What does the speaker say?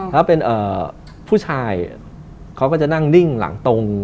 แล้วเป็นผู้ชายเขาก็จะนั่งนิ่งหลังตรง